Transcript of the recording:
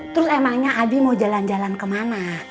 terus emangnya adi mau jalan jalan kemana